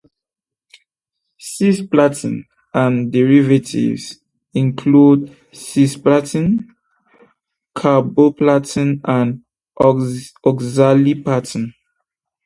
Cisplatin and derivatives include cisplatin, carboplatin and oxaliplatin.